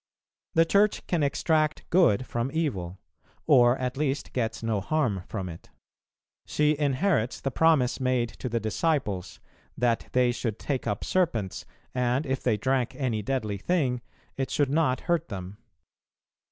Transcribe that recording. The Church can extract good from evil, or at least gets no harm from it. She inherits the promise made to the disciples, that they should take up serpents, and, if they drank any deadly thing, it should not hurt them.